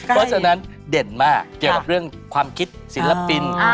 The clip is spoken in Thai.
เพราะฉะนั้นเด่นมากเกี่ยวกับเรื่องความคิดศิลปิน